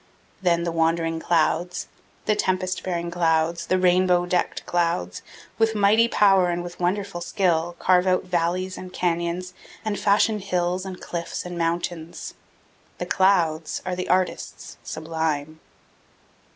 Then the wandering clouds, the tempest bearing clouds, the rainbow decked clouds, with mighty power and with wonderful skill, carve out valleys and canyons and fashion hills and cliffs and mountains. The clouds are the artists sublime.